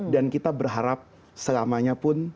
dan kita berharap selamanya pun